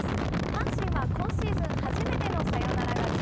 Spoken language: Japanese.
阪神は今シーズン初めてのサヨナラ勝ち。